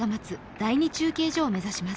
第２中継所を目指します。